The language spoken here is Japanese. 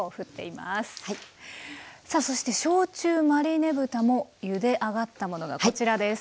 さあそして焼酎マリネ豚もゆで上がったものがこちらです。